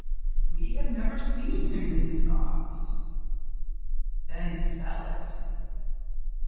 "'WE HAVE NEVER SEEN HIM IN HIS BOX.' "'Then sell it.'